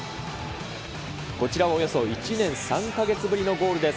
こちらはおよそ１年３か月ぶりのゴールです。